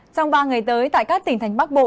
trong ba ngày tới tại các tỉnh thành bắc bộ